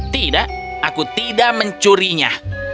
tidak aku tidak mencurinya